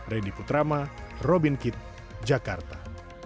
reddy putrama robin kitt jakarta